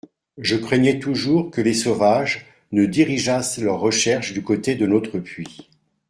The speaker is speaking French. Je craignais toujours que les sauvages ne dirigeassent leurs recherches du côté de notre puits.